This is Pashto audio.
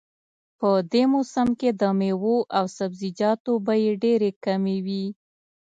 په دې موسم کې د میوو او سبزیجاتو بیې ډېرې کمې وي